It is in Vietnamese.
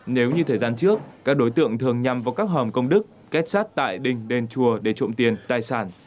nếu như thời gian trước các đối tượng thường nhằm vào các hòm công đức kết sát tại đình đền chùa để trộm tiền tài sản